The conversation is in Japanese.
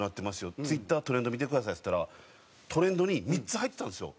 「Ｔｗｉｔｔｅｒトレンド見てください」っつったらトレンドに３つ入ってたんですよ。